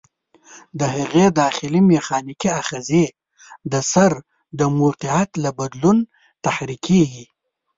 د هغې داخلي میخانیکي آخذې د سر د موقعیت له بدلون تحریکېږي.